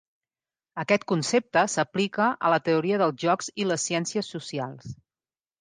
Aquest concepte s'aplica a la teoria dels jocs i les ciències socials.